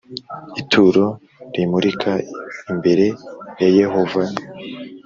ituro rimurika imbere ya Yehova